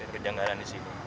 kejanggalan di situ